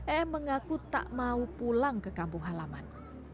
em mengaku tak mau pulang ke kampung halaman